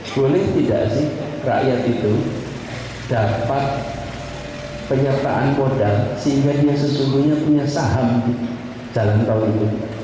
boleh tidak sih rakyat itu dapat penyertaan modal sehingga dia sesungguhnya punya saham di jalan tol itu